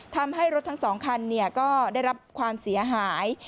ทำให้รถทั้ง๒คันก็ได้รับความเสียหาย